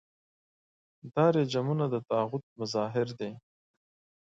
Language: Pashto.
دا رژیمونه د طاغوت مظاهر دي.